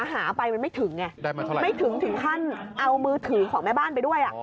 หาไปมันไม่ถึงไงไม่ถึงถึงขั้นเอามือถือของแม่บ้านไปด้วย